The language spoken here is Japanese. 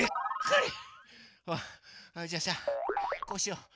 それじゃさこうしよう。